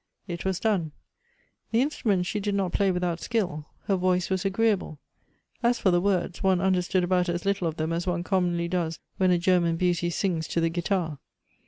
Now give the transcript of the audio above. It was done. The instrument she did not play without skill ; her voice was agreeable : as for the words one understood about as little of them as one commonly does when a German beauty sings to the guitar.